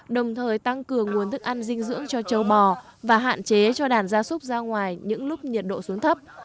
đồng thời tăng cường nguồn thức ăn dinh dưỡng cho châu bò và hạn chế cho đàn gia súc ra ngoài những lúc nhiệt độ xuống thấp